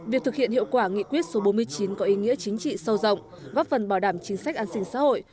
việc thực hiện hiệu quả nghị quyết số bốn mươi chín có ý nghĩa chính trị sâu rộng góp phần bảo đảm chính sách an sinh xã hội